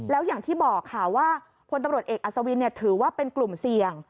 แล้วอย่างที่บอกค่ะว่าพลตำรวจเอกอัศวินถือว่าเป็นกลุ่มเสี่ยง